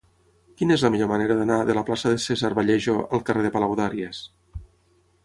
Quina és la millor manera d'anar de la plaça de César Vallejo al carrer de Palaudàries?